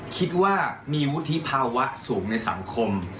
คิดว่ามีวุฒิภาวะสูงในสังคม